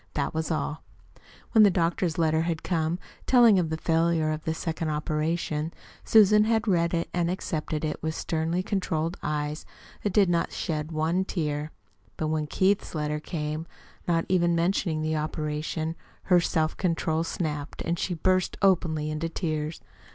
That was all. When the doctor's letter had come, telling of the failure of the second operation, Susan had read it and accepted it with sternly controlled eyes that did not shed one tear. But when Keith's letter came, not even mentioning the operation, her self control snapped, and she burst openly into tears.